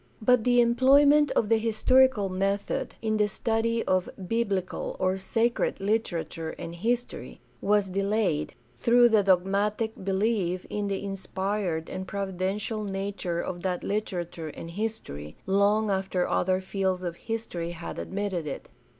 But the employment of the historical method in the study of biblical or "sacred" literature and history was delayed, through the dogmatic belief in the inspired and providential nature of that literature and history, long after other fields of history had admitted it.